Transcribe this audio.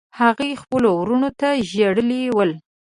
هغې خپلو وروڼو ته ژړلي ول.